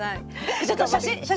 ちょっと写真！